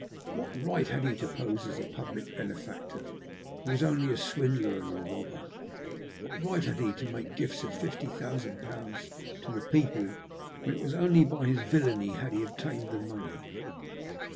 What right had he to pose as a public benefactor, who was only a swindler and a robber? What right had he to make gifts of fifty thousand pounds to the people, when it was only by his villainy he had obtained the money